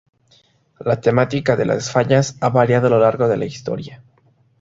La temática de las fallas ha variado a lo largo de la historia.